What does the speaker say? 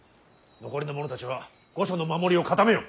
残りの者たちは御所の守りを固めよ。